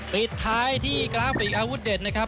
ปิดท้ายที่กราฟิกอาวุธเด็ดนะครับ